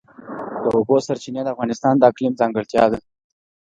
د اوبو سرچینې د افغانستان د اقلیم ځانګړتیا ده.